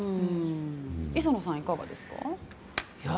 磯野さん、いかがですか？